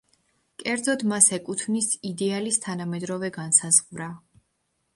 კერძოდ, მას ეკუთვნის იდეალის თანამედროვე განსაზღვრა.